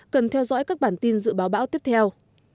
cần theo dõi các bản tin dự báo bão tiếp theo